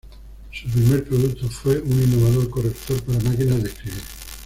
Su primer producto fue un innovador corrector para máquinas de escribir.